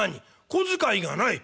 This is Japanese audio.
小遣いがない？